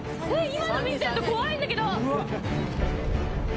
今の見てると怖いんだけど！